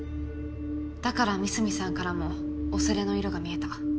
だから三隅さんからも「恐れ」の色が見えた。